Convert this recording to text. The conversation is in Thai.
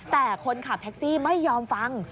แต่คนขับแท็กซี่ไม่ยอมฟัง